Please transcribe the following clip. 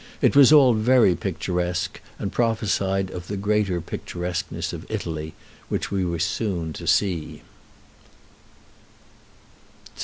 It was all very picturesque, and prophesied of the greater picturesqueness of Italy, which we were soon to see.